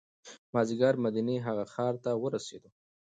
مازدیګر مدینې هغه ښار ته ورسېدو.